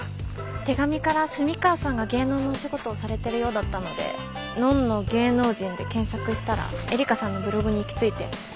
手紙から澄川さんが芸能のお仕事をされてるようだったので「のんの芸能人」で検索したらえりかさんのブログに行き着いて。